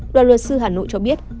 đoàn luật sư hà nội cho biết